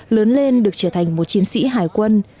lớn lên được trở thành một chiến sĩ hải quân